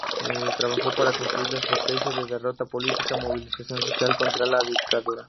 Trabajó para construir la estrategia de derrota política y movilización social contra la dictadura.